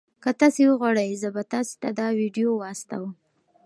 که تاسي وغواړئ زه به تاسي ته دا ویډیو واستوم.